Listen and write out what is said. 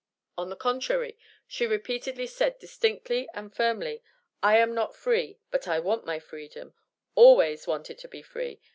On the contrary, she repeatedly said, distinctly and firmly, "I am not free, but I want my freedom ALWAYS _wanted to be free!!